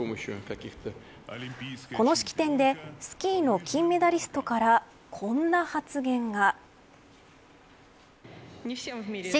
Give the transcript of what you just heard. この式典でスキーの金メダリストからこんな発言が。